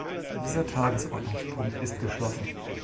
Dieser Tagesordnungspunkt ist geschlossen.